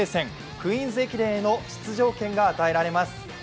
クイーンズ駅伝への出場権が与えられます。